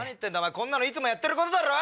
こんなのいつもやってることだろ